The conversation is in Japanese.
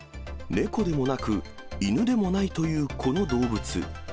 猫でもなく、犬でもないというこの動物。